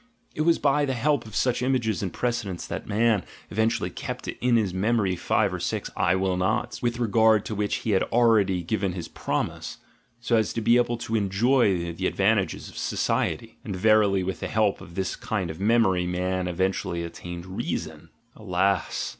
It was by the help of such images and precedents that man eventually kept in his memory "GUILT" AND "BAD CONSCIENCE" 47 five or six "I will nots" with regard to which he had already given his promise, so as to be able to enjoy the advantages of society — and verily with the help of this kind of memory man eventually attained "reason"! Alas!